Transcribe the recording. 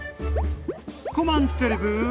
コマンタレブー？